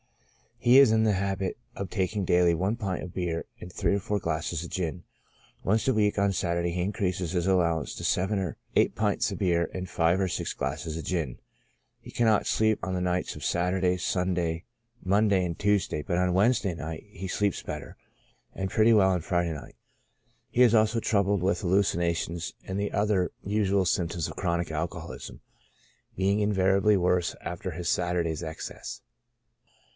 He is in the habit of taking daily one pint of beer and three or four glasses of gin. Once a week, on Saturday, he increases his allowance to seven or eight pints of beer and five or six glasses of gin ; he cannot sleep on the nights of Saturda); , Sunday, Monday, and Tuesday, but on Wednesday night he sleeps better, and pretty well on Friday night. He is SYMPTOMS. 27 also troubled with hallucinations and the other usual symp toms of chronic alcoholism, being invariably worse after his Saturday's excesses.